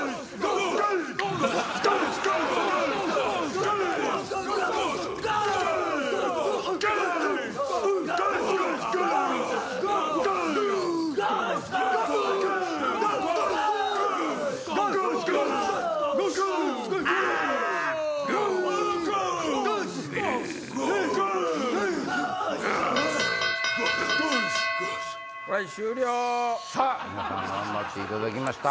皆さん頑張っていただきました。